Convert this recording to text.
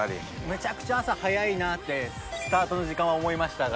めちゃくちゃ朝早いなってスタートの時間は思いましたが。